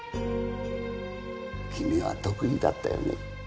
君は得意だったよね？